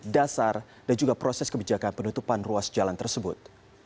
dasar dan juga proses kebijakan penutupan ruas jalan tersebut